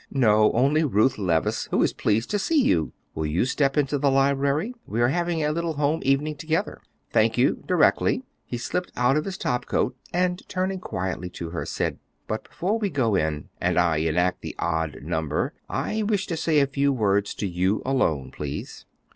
"No, only Ruth Levice, who is pleased to see you. Will you step into the library? We are having a little home evening together." "Thank you. Directly." He slipped out of his topcoat, and turning quietly to her, said, "But before we go in, and I enact the odd number, I wish to say a few words to you alone, please."